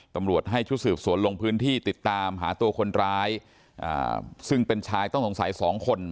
ตำรวจให้ชุดสืบสวนลงพื้นที่ติดตามหาตัวคนร้ายซึ่งเป็นชายต้องสงสัยสองคน